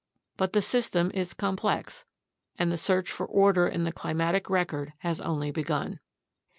But the system is complex, and the search for order in the climatic record has only begun.